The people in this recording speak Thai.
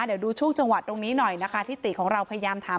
เดี๋ยวดูช่วงจังหวัดตรงนี้หน่อยนะคะที่ติของเราพยายามถาม